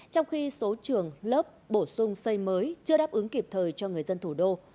trong khi số trường lớp bổ sung xây mới chưa đáp ứng kịp thời cho người dân thủ đô